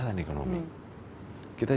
penuh kerumuh untuk mahas church all that